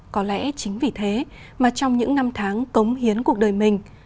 có lẽ chính vì thế mà trong những năm tháng cống hiến cuộc đời mình